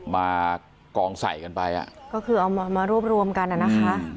มากองใส่กันไปอ่ะก็คือเอามารวบรวมกันอ่ะนะคะ